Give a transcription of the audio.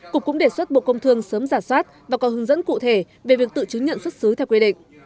cục cũng đề xuất bộ công thương sớm giả soát và có hướng dẫn cụ thể về việc tự chứng nhận xuất xứ theo quy định